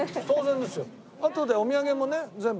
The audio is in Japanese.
あとでお土産もね全部。